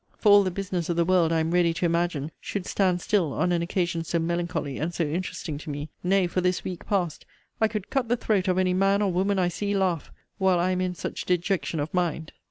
For all the business of the world, I am ready to imagine, should stand still on an occasion so melancholy and so interesting to me. Nay, for this week past, I could cut the throat of any man or woman I see laugh, while I am in such dejection of mind.